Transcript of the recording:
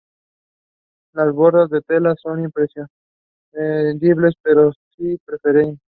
Las bolsas de tela no son imprescindibles pero sí preferibles.